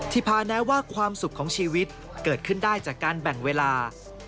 ภาแนะว่าความสุขของชีวิตเกิดขึ้นได้จากการแบ่งเวลา